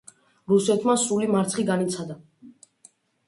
რუსეთმა სრული მარცხი განიცადა.